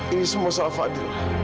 ini semua salah fadil